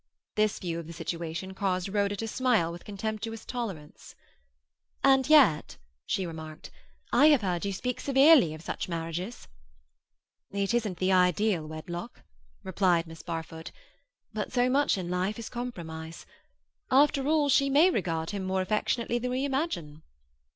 This view of the situation caused Rhoda to smile with contemptuous tolerance. "And yet," she remarked, "I have heard you speak severely of such marriages." "It isn't the ideal wedlock," replied Miss Barfoot. "But so much in life is compromise. After all, she may regard him more affectionally than we imagine."